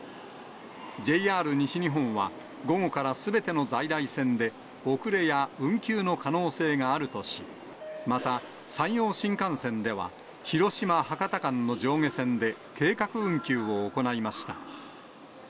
ＪＲ西日本は、午後からすべての在来線で遅れや運休の可能性があるとし、また山陽新幹線では、広島・博多間の上下線で計画運休を行いました。